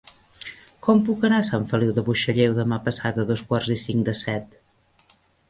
Com puc anar a Sant Feliu de Buixalleu demà passat a dos quarts i cinc de set?